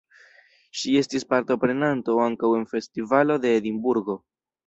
Ŝi estis partoprenanto ankaŭ en festivalo de Edinburgo.